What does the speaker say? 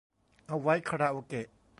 เอาไว้คาราโอเกะ